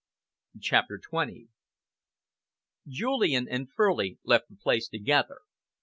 CHAPTER XX Julian and Furley left the place together.